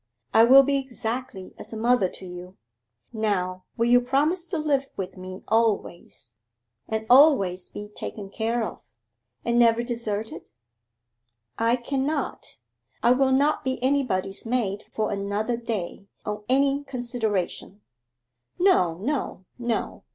I will be exactly as a mother to you. Now will you promise to live with me always, and always be taken care of, and never deserted?' 'I cannot. I will not be anybody's maid for another day on any consideration.' 'No, no, no.